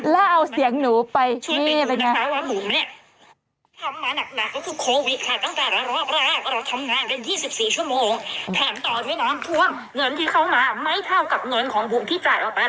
แล้วเอาเสียงหนูไปนี่เป็นยังไง